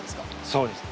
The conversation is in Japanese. そうです。